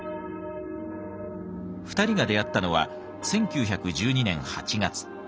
２人が出会ったのは１９１２年８月。